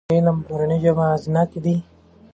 ایا علم په مورنۍ ژبه اغېزناک دی؟